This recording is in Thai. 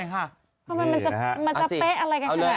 มันจะเป๊ะอะไรขนาดนั้น